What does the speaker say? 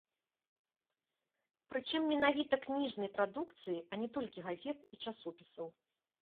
Прычым менавіта кніжнай прадукцыі, а не толькі газет і часопісаў.